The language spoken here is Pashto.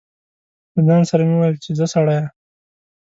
له ځان سره مې و ویل چې ځه سړیه.